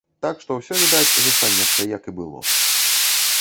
Так што, усе, відаць, застанецца як і было.